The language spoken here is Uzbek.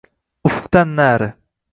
Ufqdan nari